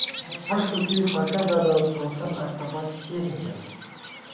مُٹھہ ݭُکی فٹہ ݫَلوت ، ہوسند اڅھبَک کېنےگئ